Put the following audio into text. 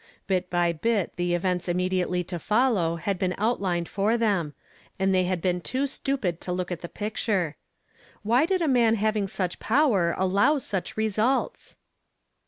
Bit by bit the events immediately to follow had been outlined for them, and they had been too stupid to look at the picture. Why did a man having such power allow such results